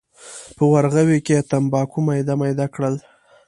په ورغوي کې یې تنباکو میده میده کړل.